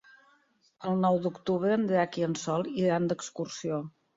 El nou d'octubre en Drac i en Sol iran d'excursió.